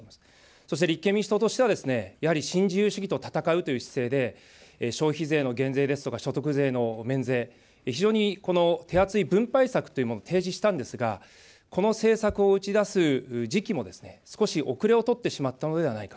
そして立憲民主党としては、やはり新自由主義と戦うという姿勢で、消費税の減税ですとか所得税の免税、非常にこの手厚い分配策というものを提示したんですが、この政策を打ち出す時期も、少し後れを取ってしまったのではないか。